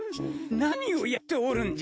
何をやっておるんじゃ！